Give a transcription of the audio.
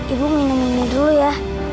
ibu minum ini dulu ya